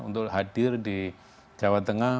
untuk hadir di jawa tengah